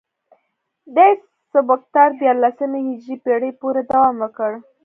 دې سبک تر دیارلسمې هجري پیړۍ پورې دوام وکړ